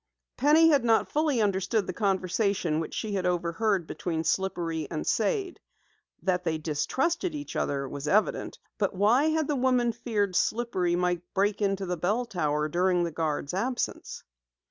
Penny had not fully understood the conversation which she had overheard between Slippery and Sade. That they distrusted each other was evident, but why had the woman feared Slippery might break into the bell tower during the guard's absence?